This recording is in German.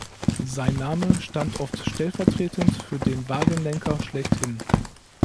Sein Name stand oft stellvertretend für den Wagenlenker schlechthin.